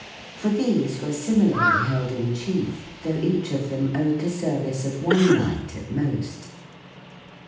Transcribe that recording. For these were similarly held in chief, though each of them owed the service of one knight at most.